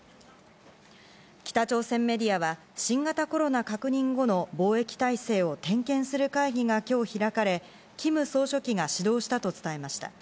北朝鮮メディアは新型コロナ確認後の防疫体制を点検する会議が今日開かれ、キム総書記が指導したと伝えました。